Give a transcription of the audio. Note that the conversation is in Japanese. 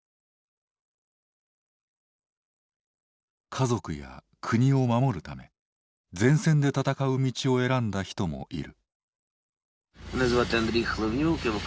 家族や国を守るため前線で戦う道を選んだ人もいる。